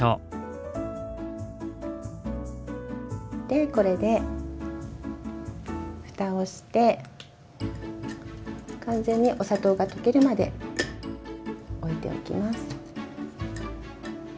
でこれでふたをして完全にお砂糖が溶けるまでおいておきます。